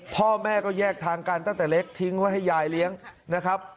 พ่อแม่ก็แยกทางกันตั้งแต่เล็กทิ้งไว้ให้ยายเลี้ยงนะครับ